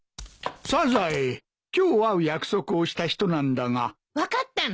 サザエ今日会う約束をした人なんだが。分かったの？